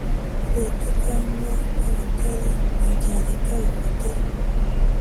Leta cyangwa ibitari ibya Leta bifite